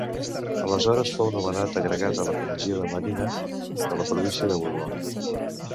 Aleshores fou nomenat agregat a la Comissió de Marina de la província de Huelva.